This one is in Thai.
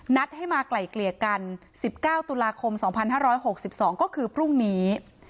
ให้มาไกล่เกลี่ยกัน๑๙ตุลาคม๒๕๖๒ก็คือพรุ่งนี้